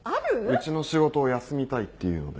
うちの仕事を休みたいって言うので。